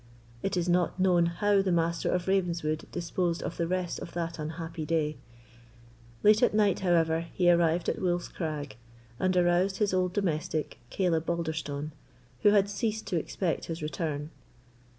It is not known how the Master of Ravenswood disposed of the rest of that unhappy day. Late at night, however, he arrived at Wolf's Crag, and aroused his old domestic, Caleb Balderstone, who had ceased to expect his return.